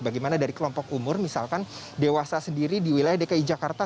bagaimana dari kelompok umur misalkan dewasa sendiri di wilayah dki jakarta